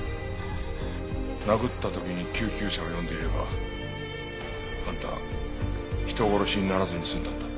殴った時に救急車を呼んでいればあんた人殺しにならずに済んだんだ。